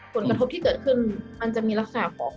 ผลกระทบที่เกิดขึ้นมันจะมีลักษณะของ